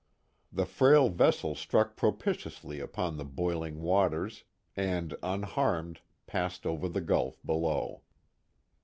The frail vessel struck propitiously upon the boiling waters, and, unharmed, passed over the gulf below.